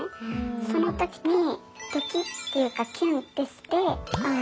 その時にドキッていうかキュンッてしてああ